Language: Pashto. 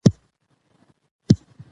ماشومان له ښوونځي خوښ دي.